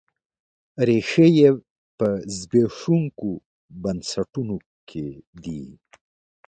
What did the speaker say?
ریښې یې په زبېښونکو بنسټونو کې دي.